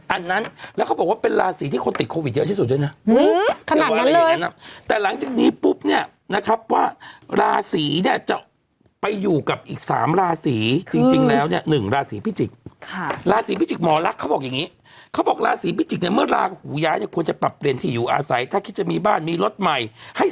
อันนั้นแล้วเขาบอกว่าเป็นลาสีที่คนติดโควิดเยอะที่สุดนะ